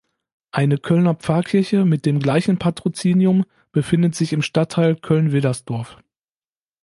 Eine Kölner Pfarrkirche mit dem gleichen Patrozinium befindet sich im Stadtteil Köln-Widdersdorf.